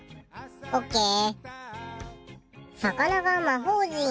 オッケー。